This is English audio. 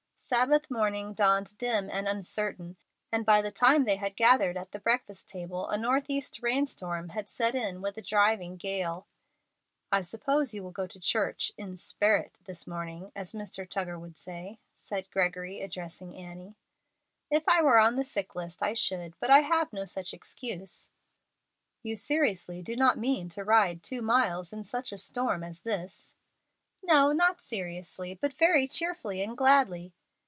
Sabbath morning dawned dim and uncertain, and by the time they had gathered at the breakfast table, a northeast rain storm had set in with a driving gale. "I suppose you will go to church 'in sperit' this morning, as Mr. Tuggar would say," said Gregory, addressing Annie. "If I were on the sick list I should, but I have no such excuse." "You seriously do not mean to ride two miles in such a storm as this?" "No, not seriously, but very cheerfully and gladly."